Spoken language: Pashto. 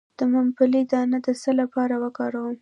د ممپلی دانه د څه لپاره وکاروم؟